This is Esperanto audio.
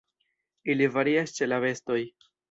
Ili varias ĉe la bestoj.